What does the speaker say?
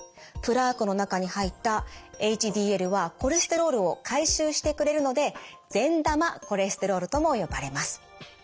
プラークの中に入ったＨＤＬはコレステロールを回収してくれるので善玉コレステロールとも呼ばれます。